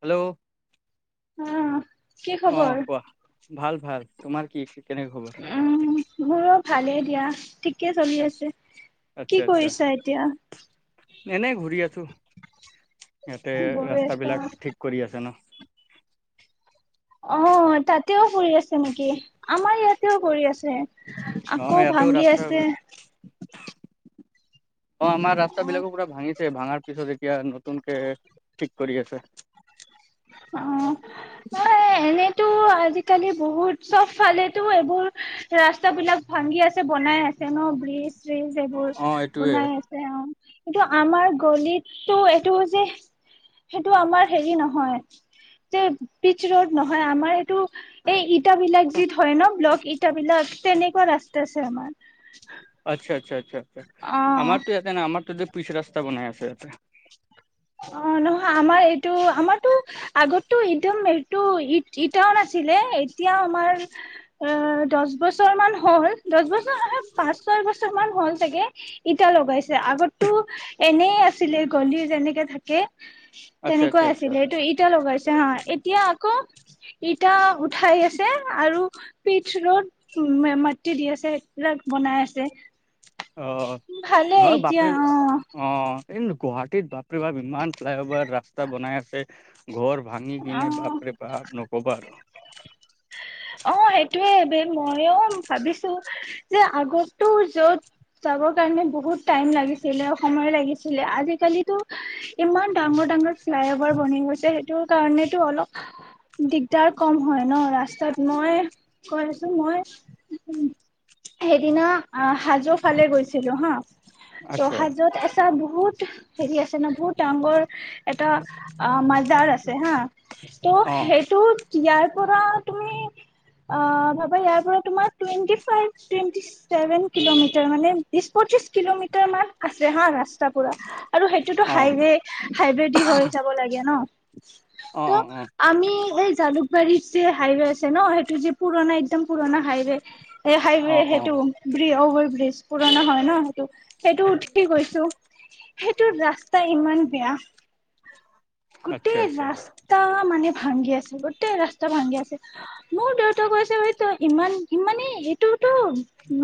Hello উম অ কোৱা ভাল ভাল তোমাৰ কি কেনেক খবৰ ভালে দিয়া ঠিক আচ্ছা আচ্ছা এতিয়া এনে ঘূৰি আছো ইয়াতে বহি ৰাস্তা আছা বিলাক ঠিক কৰি আছে ন অ তাতেও কৰি আছে নেকি আমাৰ ইয়াতেও কৰি আছে অ আকৌ ইয়াতো ভাঙি ৰাস্তা আছে অ আমাৰ ৰাস্তা বিলাকো পুৰা ভাঙিছে ভাঙাৰ পিছত এতিয়া নতুনকে ঠিক কৰি আছে অ ম এনেই এনেটো আজিকালি বহুত চব ফালেতো এইবোৰ ৰাস্তা বিলাক ভাগি আছে বনাই আছে ন ব্ৰিজ সেইবোৰ অ এইটোয়ে বনাই আছে অ এইটো আমাৰ গলিতটো এইটো যে সেইটো আমাৰ হেৰি নহয় যে পিচ ৰ'দ নহয় আমাৰ এইটো এই ইতা বিলাক যি হয় ন ব্লগ ইটা বিলাক তেনেকুৱা ৰাস্তা আছে আমাৰ আচ্ছা আচ্ছা আচ্ছা আচ্ছা আমাৰতো অ ইয়াতে ন আমাৰতো যে পিছ ৰাস্তা বনাই আছে [unintelligible] অ নহয় আমাৰ এইটো আমাৰতো আগতটো একদম এইটো ই ইটাও নাছিলে এতিয়া আমাৰ অ দহ বছৰ মান হল দহ বছৰ পাঁচ ছয় বছৰ মান হল চাগে ইটা লগাইছে আগতটো এনেই আছিলে গলি যেনেকে থাকে আচ্ছা তেনেকুৱা আচ্ছা আচ্ছা আছিল সেইটো ইটা লগাইছিল হা এতিয়া আকৌ ইটা উঠাই আছে আৰু পিঠছ ৰ'দ মাটি দি আছে সেইবিলাক বনাই আছে অ ভালে নহ এতিয়া বাপৰে অ অ এই গুৱাহাটীত বাপৰে বাব বিমান ফ্লাইঅভাৰ ৰাস্তা বনাই আছে ঘৰ ভাঙি অ কিনে বাপৰে বাপ নকবা আৰু অ সেইটোয়ে মইও ভাবিছো যে আগতো য'ত যাব কাৰণে বহুত টাইম লাগিছিলে সময় লাগিছিলে আজিকালি ইমান ডাঙৰ ডাঙৰ ফ্লাই অভাৰ বনি গৈছে সেইটো কাৰণেতো অলপ দিগদাৰ কম হয় ন ৰাস্তাত মই কৈ আছো মই সেইদিনা হাজো ফালে গৈছিলো হা ত আচ্ছা হাজোত আছা বহুত বহুত হেৰি আছে ন বহুত ডাঙৰ এটা অ মাজাৰ হা ত' অ', সেইটো ইয়াৰ পৰা তুমি অ ভাবা ইয়াৰ পৰা তোমাৰ twenty five twenty seven kilometre মানে বিশ, পঁচিশ কিলোমিটাৰ মান আছে হা ৰাস্তা পুৰা আৰু সেইটোতো অ', হাইৱে হাইৱবেদি হৈ যাব লাগে ন অ', ত অ', অ', আমি এই জালুকবাৰীত যে হাইৱে আছে ন সেইটো যে পুৰণা একদম পুৰণা হাইৱে এই হাইৱে অ', অ সেইটো বি ঔ বিজ পুৰণা হয় ন সেইটো সেইটো উঠি গৈছো সেইটো ৰাস্তা ইমান বেয়া আচ্ছা, গোটেই আচ্ছা, ৰাস্তা মানে ভাংগি আছে গোটেই ৰাস্তা ভাংগি আছে মোৰ দেউতাক কৈছে এইটো ইমান ইমানে এইটোতো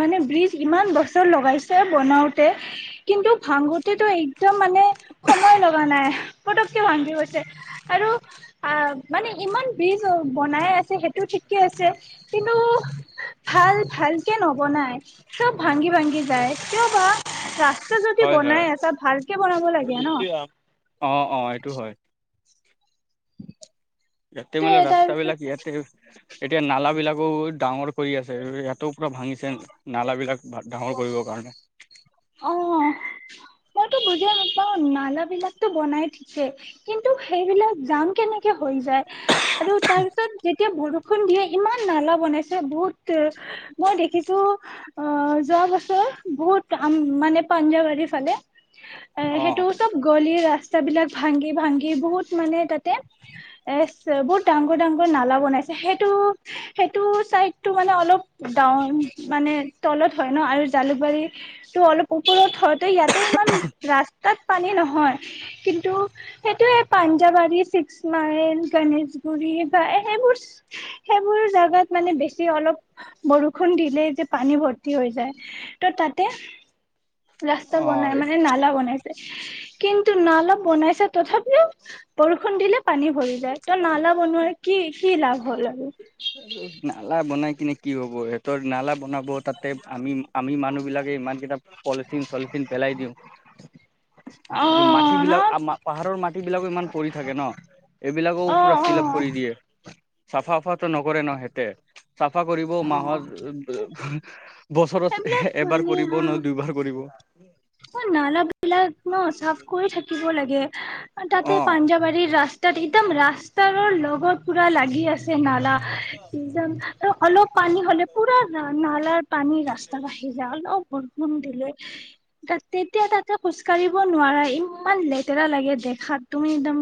মানে ব্ৰিজ ইমান বছৰ লগাইছে বনাওতে কিন্তু ভাঙোতেতটো একদম মানে সময় লগা নাই পটককে ভাংগি গৈছে ছে আৰু আহ মানে ইমান ব্ৰীজ বনাই আছে সেইটো ঠিকে আছে কিন্তু ভাল ভালকে নবনাই চব ভাংগি ভাংগি যায় কিয় বা ৰাস্তা যদি হয়, হয়। বনাই আছে ভালকে বনাব আৰু লাগে ন গুচি যাম। অ', অ', এইটো হয়, ইয়াতে ত মানে ৰাস্তা তাৰ বিলাক ইয়াতে এতিয়া নালা বিলাকো ডাঙৰ কৰি আছে ইয়াতে পুৰা ভাঙিছে নালা বিলাক বাট ডাঙৰ কৰিবৰ কাৰণে অ মইতো বুজিয়ে নাপাও নালা বিলাকতো বনাই থিকে কিন্তু সেইবিলাক জাম কেনেকে হৈ যায় আৰু তাৰ পিছত যেতিয়া বৰষুণ সন্ধিয়া ইমান নালা বনাইছে বহুত মই দেখিছো অ যোৱা বছৰ বহুত কাম মানে পাঞ্জাবাৰী ফালে এ অ', সেইটো চব গলিৰ ৰাস্তা স্তাবিলাক ভাংগি ভাংগি বহুত মানে তাত তে এ চ বহুত ডাংগৰ ডাংৰ নালা বনাইছে সেইটো সেই টু চাই টো মানে অলপ ডাওন মানে তলত হয় ন আৰু জালুকবাৰী ত অলপ ওপৰত হওতে ইয়াতে ইমান ৰাস্তাত পানী নহয় কিন্তু সেইটে পাঞ্জাৱাৰী ছিক্স মাইল গণেশগুৰি বা সেইবোৰ সেইবোৰ জেগাত মানে বেছি অলপ বৰষুণ দিলেই যে পানী ভৰ্তি হৈ যায় ত' তাতে ৰাস্তা অ', বনাই মানে নালা বনাইছে কিন্তু নালা বনাইছে তথাপিও বৰষুণ দিলে। পানী ভৰি যায় ত নালা বনোৱাৰ কি কি লাভ হ'ল আৰু নালা বনাই কিনে কি হব সিহতৰ নালা বনাব তাতে আমি আমি মানুহ বিলাকে ইমান কেইটা পলিথিন চলিথিন পেলাই দিওঁ। অ আৰু ন মাটিবিলাক আমা পাহাৰৰ মাটি বিলাকো ইমান পৰি থাকে ন এইবিলাকো অ পুৰা অ ফিল আপ কৰি দিয়ে চাফা চাফাটো নকৰে ন হেতে চাফা কৰিব অ মাহৰ বছৰত এইবিলাক এবাৰ কৰিব নহয় দুইবাৰ কৰিব অ নালা এইবিলাক ন চাফ কৰি থাকিব লাগে। তাতে অ পাঞ্জাবাৰীৰ ৰাস্ত - তাত একদম ৰাস্তাৰো লগত পুৰা লাগি আছে। নালা আৰু অলপ পানী হ'লে পুৰা নালাৰ পানী ৰাস্তা বাঢ়ি যায়। অলপ বৰষুণ দিলে। নাই। তাত তেতিয়া তাত। তই খোজ - কাৰিব নোৱাৰা ইমান লেট। লেটেৰা লাগে দেখাত। তুমি একদম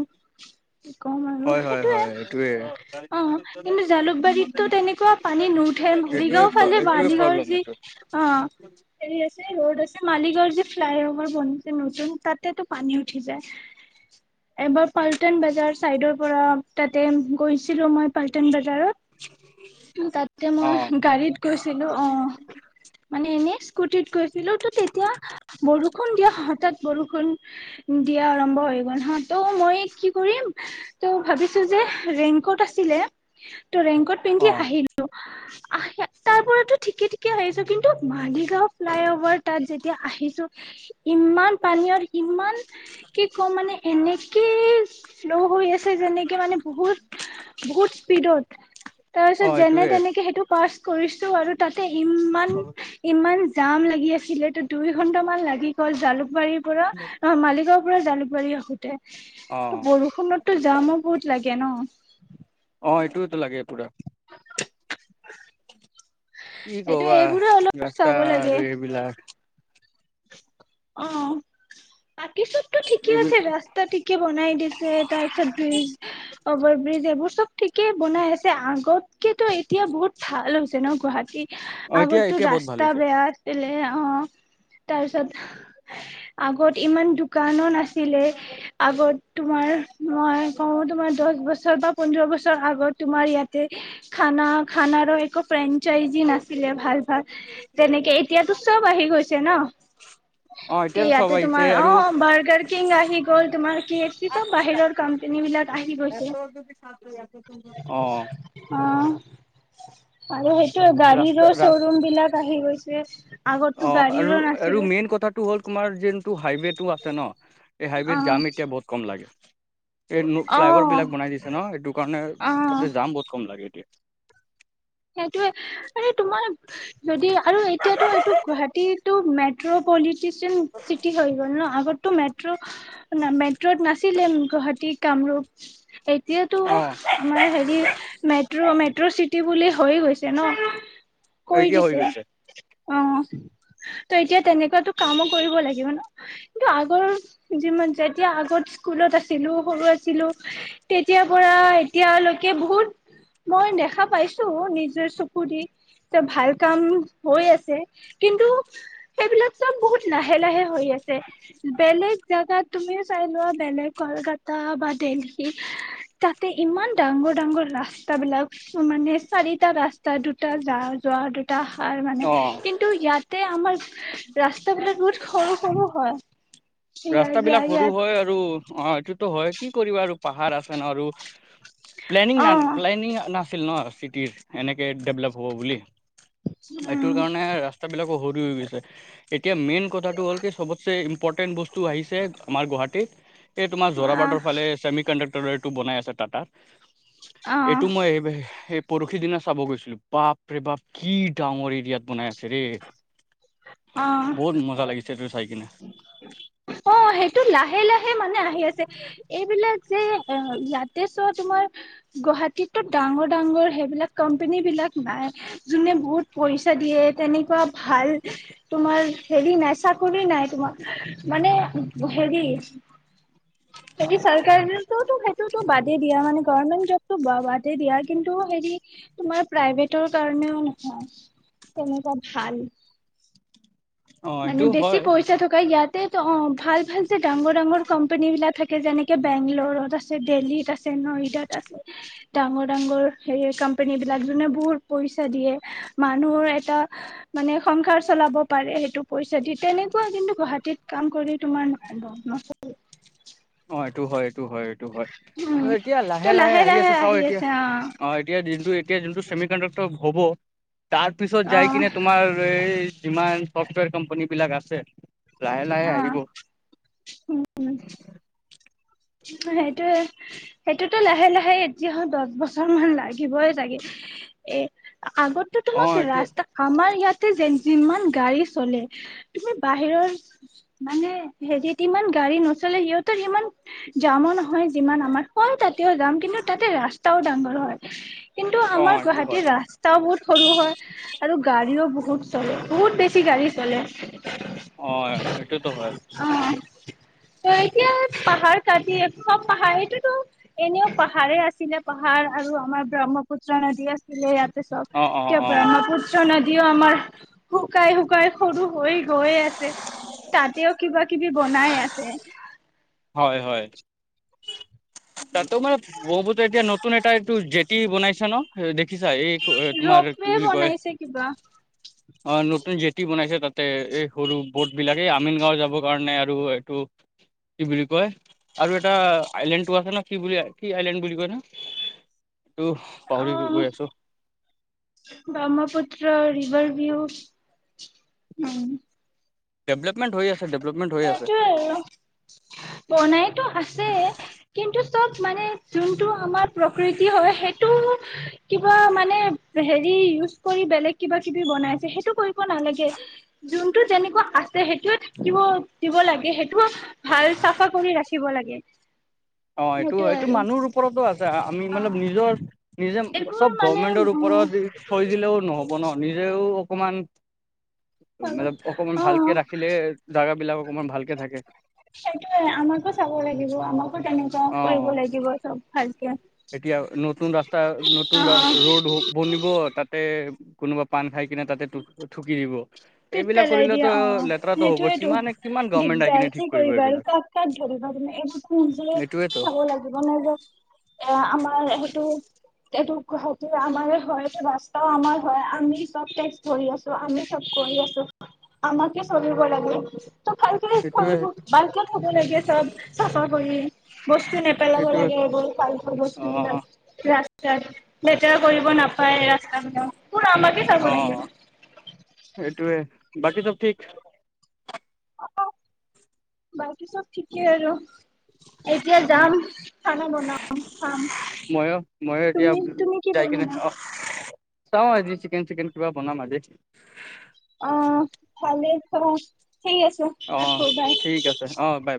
কি কম আৰু হয় হয় সেইটয়ে হয় এইটোৱে অ' কিন্তু জালুকবাৰীতটো তেনেকুৱা পানী নুঠে। এইটোৱে মালিগাঁও ফালে এইটোৱে মালিগাঁওৰ প্ৰব্লেম যি এইটো অ' হেৰি আছে ৰোদ আছে মালিগাঁও। ফ্লাইভাৰ যে বনাইছে নতুন তাতেটো পানী উঠি যায়। এবাৰ পল্টন বজাৰ চাইডৰ পৰা তাতে গৈছিলো মই পল্টন বজা- হা তাতে অ মই গাড়ীত গৈছিলো অ' মানে এনে। স্কুটিত গৈছিলো তো তেতিয়া। বৰষুণ দিয়া হঠাৎ বৰষুণ দিয়া আৰম্ভ হৈ গ'ল হা তো মই কি কৰিম। ত' ভাবিছো যে ৰেংকোট আছে। ছিলে। ত' ৰেংকোট পিন্ধি অ আহিলো। আহে তাৰ পৰাতো ঠিকে ঠিকে আহিছো কিন্তু মালিগাঁও ফ্লাই অভাৰ তাত যেতিয়া আহিছো। ইমান পানীয়ত ইমান কি কম মানে এনেকে শ্ল' হৈ আছে যেনেকে মানে বহুত বহুত স্পীডত। অ তাৰপিছত যেনে এইটোৱে তেনেকে সেইটো বাছ। কৰিছো আৰু তাত। ইমান-ইমান। যাম লাগি আছিল তো দুই। এঘণ্টা মান লাগি গ'ল জালুকবাৰী - ৰ' পৰা অ মালিগাঁও। পৰা জালুকবাৰী আহোঁতে। অ ত বৰষুণতো যামো বহুত লাগে ন। [inaudible] অ এইটোতো লাগে পুৰা। কি এইটো কবা এইবোৰে অলপ ৰাস্তা চাব লাগে আৰু এইবিলাক। অ' তাত। বাকী চবটো ঠিকে আছে এইবিলাক ৰাস্তা ঠিকে বনাই দিছে তাৰ পিছত ব্ৰিজ আ। অভাৰব্ৰিজ এইবোৰ চব। ঠিকেই বনাই আছে আগতকেটো এতিয়া বহুত ভাল হৈছে। যেনো গুৱাহাটীত অ এতিয়া আগতো এতিয়া বহুত ভাল ৰাস্তা হৈছে বেয়া আছিলে অ তাৰপিছত আগত ইমান দোকানো নাছিলে, আগত তোমাৰ মই কওঁ তোমাৰ দহ বছৰ বা পোন্ধৰ বছৰ আগত তোমাৰ ইয়াতে খানা-খানাৰোঁ একো ফ্ৰেণ্ চ ইজি নাছিল [unintelligible] নাছিলে ভাল-ভাল, তেনেকে এতিয়াতো চব আহি গৈছে ন? অ কি এতিয়া চব ইয়াতে আহিছে তোমাৰ, আৰু অ বাৰ্গাৰ কিং আহি গ'ল তোমাৰ কে এফচী টো বাহিৰৰ কোম্পানী বিলাক আহি গৈছে- [unintelligible] অ অ আৰু সেই সেইটো ৰাস্তা গাড়ীৰো ৰাস শ'ৰুম বিলাক আহি গৈছে চছ [unintelligible] অ আৰু আৰু মেইন কথাটো হ'ল তোমাৰ যোনটো হাইৱে টো আছে ন? এই হাইৱেত জাম এতিয়া বহুত কম লাগে। এই ন অ অ ফ্লাই অভাৰ বিলাক বনাই দিছে ন, এইটো কাৰণে অ তাতে জাম বহুত কম লাগে। [unintelligible] সেইটোৱে ম তোমাৰ যদি, আৰু এতিয়াতো এইটো গুৱাহাটী টো মেট্ৰ'পলিট চিঠি হৈ গল ন, আগতে টো মেট্ৰ'--মেট্ৰত নাছিলে গুৱাহাটী কামৰূপ, এতিয়াতো অ আমাৰ হেৰি মেট্ৰ'-মেট্ৰ' চিটি বুলি হৈ গৈছে ন। কৈ এতিয়া হৈ দিছে গৈছে। অ ত এতিয়া তেনেকুৱাতো কামো কৰিব লাগিব ন? কিন্তু আগৰ যি যেতিয়া আগত স্কুলত আছিলো, সৰু আছিলো তেতিয়াৰ পৰা এতিয়ালৈকে বহুত মই দেখা পাইছো অ নিজৰ চকুদি, যে ভাল কাম হৈ আছে, কিন্তু সেইবিলাক চব বহুত লাহে-লাহে হৈ আছে, বেলেগ জোগাত তুমিও চাই লোৱা বেলেগ কলকাতা বা দেল্লীহি তাতে ইমান ডাঙৰ-ডাঙৰ ৰাস্তা বিলাক মানে চাৰিটা ৰাস্তা দুটা যা যোৱাৰ দু এ স মানে অ কিন্তু ইয়াতে আমাৰ ৰাস্তা বিলাক বহুত সৰু-সৰু হয়। ইয়া ৰাস্তা ইয়া বিলাক সৰু ইয়াত হয় আৰু, অ' এইটো টো হয় কি কৰিবা আৰু পাহাৰ আছে ন আৰু, প্লেনিং অ প্লেনিং নাছিল ন চিটিৰ এনেকে ডেভলপ হ'ব বুলি এইটোৰ উম কাৰণে ৰাস্তা বিলাকো বহুত হৈ গৈছে এতিয়া এতিয়া মেইন কথাটো হ'ল কি চবতচে ইনপটেন এইটো আহিছে আমাৰ গুৱাহাটীত এই তোমাৰ জোৰা বাৰ্ৰ আহ ফালে চমি কণ্ডাক্ ৰে টো বনাই আছে টাটাত অ এইটো মই পৰহি দিনা চাব গৈছিলো বাপ ৰে বাপ কি ডাঙৰ এৰিয়াত বনাই আছে অ বহুত মজা লাগিছে এইটো চাই কিনে অ সেইটো লাহে লাহে মানে আহি আছে এইবিলাক যে ইয়াতে চোৱা তোমাৰ গুৱাহাটীতো ডাঙৰ ডাঙৰ সেইবিলাক কোম্পনী বিলাক নাই যোনে বহুত পইচা দিয়ে তেনেকুৱা ভাল তোমাৰ হেৰি নাই চাকৰি নাই তোমাৰ মানে হেৰি চৰকাৰো সেইটো বাদেই দিয়া মানে গমেন্ট জবটো বাদেই দিয়া কিন্তু হেৰি তোমাৰ প্ৰাইভেটৰ কাৰণেও নহয় তেনেকোৱা ভাল অ মানে এইটো বেছি হয় পইচা থকা ইয়াত তে অ ভাল ভাল ডাঙৰ ডাঙৰ কম্পানী বিলাকে যেনেকে বেংলত আছে দেহ্লীত আছে নয়দাত আছে ডাঙৰ ডাঙৰ হেৰি কোম্পনী বিলাক যোনে বহুত পইচা দিয়ে মানুহৰ এটা মানে সংসাৰ চলাব পাৰে সেইটো পইচা দি তেনেকুৱা কিন্তু গুৱাহাটীত কাম কৰি তোমাৰ নহব ন এই টো হয় এইটো হয় এইটো হয় উম এতিয়া লাহে লাহে আহি আছে চাও এতিয়া অ এতিয়া যিটো এতিয়া যোনটো চেমি কণ্ডাক্টৰ হ'ব তাৰ পিছত অ যাই কিনে তোমাৰ এই যিমান চফ্টৱেৰ কোম্পানী বিলাক আছে লাহে অ লাহে আহিব সেইটোয়ে সেইটোতো লাহে লাহে এতিয়াাহ দহ বছৰ মান লাগিবই চাগে এ আগতে অ তোমাক এতিয়া ৰাস্তা আমাৰ ইয়াতে যে যিমান গাড়ী চলে তুমি বাহিৰৰ মানে হেৰিত ইমান গাড়ী নচলে সিহঁতৰ ইমান যাম নহয় যিমান আমাৰ হয় তাতেও যাম কিন্তু তাতে ৰাস্তা তাও ডাঙৰ হয় কিন্তু অ আমাৰ এইটো হয় গুৱাহাটীৰ ৰাস্তাও বহুত সৰু হয় আৰু গাড়ীও বহুত চলে বহুত বেছি গাড়ী চলে অ এইটোটো হয় অ ত এতিয়া পাহাৰ কাটি সব পাহাৰ এইটোতো এনেও পাহাৰেই আছিলে পাহাৰ আৰু আমাৰ ব্ৰহ্মপুত্ৰ নদী আছিলে ইয়াত চব অ অ এতিয়া অ ব্ৰহ্মপুত্ৰ নদীও আমাৰ শুকাই শুকাই সৰু হৈ গৈ আছে তাতেও কিবা কিবি বনাই আছে হয় হয় তাতো মানে বৰষুণটো এতিয়া ন নতুন এটা এইটো জেতি বনাইছে ন দেখ দেখিছা এই তোমাৰ ৰপৱে কি বুলি কয় বনাইছে কিবা অ নতুন জেটি বনাইছে তাত তে এই সৰু বট বিলাকে এই আমিন গাঁও যাবৰ কাৰণে আৰু এইটো কি বুলি কয় আৰু এটা আইলেণ্ড টো আছে ন কি বুলি কি আইলণ্ড বুলি কয় এইটো অ পাহৰি গৈ আছো ব্ৰহ্মপুত্ৰ ৰিভাৰ ভিও উম ডেভেলপমেণ্ট হৈ আছে ডেভেলপমেণ্ট হৈ আছে সেইটোৱে আৰু বনাইতো আছে কিন্তু চব মানে যোনটো আমাৰ প্ৰকৃতি হয় সেইটো কিবা মানে হেৰি ইউজ কৰি বেলেগ কিবা কিবি বনাইছে সেইটো কৰিব নালাগে যোনটো তেনেকুৱা সেইটোয়ে থাকিব দিব লাগে সেইটো কিবা ভাল কৰি ৰাখিব লাগে অ এইটো সেইটোয়ে এইটো আৰু মানুহৰ ওপৰতো আছে আমি অ মানল নিজৰ নিজে এইবোৰ চব মানে গভমেন্টৰ উম ওপৰত থৈ দিলেও নহব ন নিজেও অকমান মানে অকমান অ ভালকে ৰাখিলে জাগা বিলাক অকমান ভালকে থাকে সেইটোয়ে আমাকো চাব লাগিব আমাক তেনেকুৱা অ অ কৰিব লাগিব চব ভালকে এতিয়া নতুন ৰাস্তা নতুন অ ৰ'দ বনিব তাতে কোনোবা পান খাই কিনে তাতে থুকি দিব পিট এইবিলাক পেলাই দিয়ে কৰিলেতো অ লেতেৰাটো হ'ব সেইটোয়েটো কিমানে কিমান গভমেন্ট আহি দিগদাৰ কিনে ঠিক কি কৰিব কৰিবা আৰু এইবিলাক কাক কাক ধৰিবা তুমি এইবোৰ খুলিযে এইটোৱেতো চাব লাগিব নিজে এ আমাৰ সেইটো এইটো সেটো আমাৰ হয় এই ৰাস্তাও আমাৰ হয় আমি চব টেক্স ভৰি আছো আমি চব কৰি আছো আমাকে চলিব লাগে ভালকে এইটোৱে ভালকে থব লাগে চব চাফা কৰি বস্তু নেপেলাব এইটোৱে লাগে এইবোৰ ভালক অ বস্তুবিলাক লেতেৰা কৰিব নাপায় হয় ৰাস্তা বিলাক সেইবোৰ আমাকে চাব লাগিব সেইটোয়ে বাকী চব ঠিক। বাকী চব ঠিকেই আৰু। এতিয়া যাম খানা বনাম খাম ময়ো ময়ো এতিয়া তুমি-তুমি কি বনাবা? চাও আজি চিকেন-চিকেন কিবা বনাম আজি। অ', ভালেই খোৱা। ঠিক আছে অ ৰাখো ঠিক বাই। আছে অ বাই বাই